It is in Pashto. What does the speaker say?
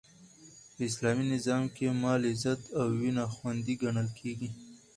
په اسلامي نظام کښي مال، عزت او وینه خوندي ګڼل کیږي.